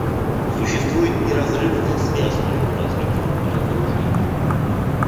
Существует неразрывная связь между развитием и разоружением.